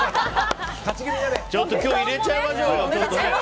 ちょっと今日入れちゃいましょうよ。